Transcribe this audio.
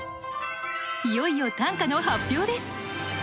いよいよ短歌の発表です！